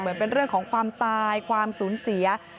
เหมือนเป็นเรื่องของความตายความสูญเสีย